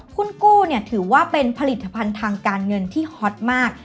คุณกู้ถือว่าเป็นผลิตภัณฑ์ทางการเงินที่ฮอตมาก